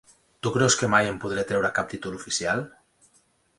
Tu creus que mai em podré treure cap títol oficial?